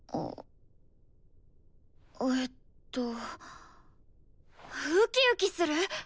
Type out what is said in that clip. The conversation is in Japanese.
えっとウキウキする？